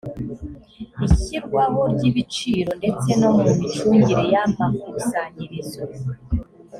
ishyirwaho ry’ibiciro ndetse no mu micungire y’amakusanyirizo